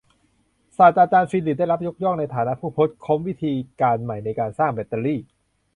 ศาสตราจารย์ฟิลลิปส์ได้รับยกย่องในฐานะผู้ค้นพบวิธีการใหม่ในการสร้างแบตเตอรี่